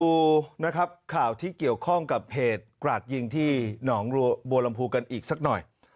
ดูนะครับข่าวที่เกี่ยวข้องกับเหตุกราดยิงที่หนองบัวลำพูกันอีกสักหน่อย